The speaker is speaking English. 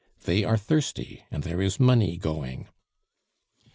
"They are thirsty, and there is money going."